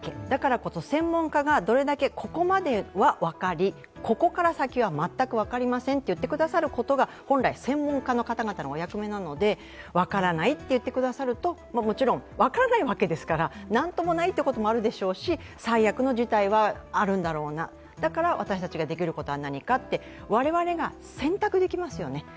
だからこそ専門家が、ここまでは分かり、ここから先は全く分かりませんと言ってくださることが本来、専門家の方々のお役目なので「分からない」と言ってくださることがもちろん分からないわけですからなんともないこともあるでしょうし、最悪の事態はあるんだろうな、私たちができることは何か、我々が選択できますよね。